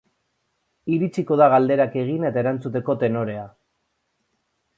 Iritsiko da galderak egin eta erantzuteko tenorea.